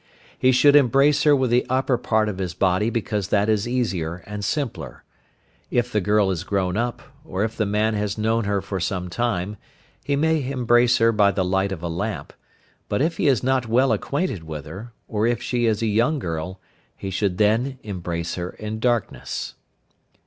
He should embrace her with the upper part of his body because that is easier and simpler. If the girl is grown up, or if the man has known her for some time, he may embrace her by the light of a lamp, but if he is not well acquainted with her, or if she is a young girl, he should then embrace her in darkness.